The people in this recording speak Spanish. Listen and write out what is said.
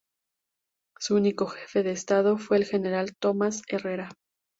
Su único jefe de Estado fue el General Tomás Herrera.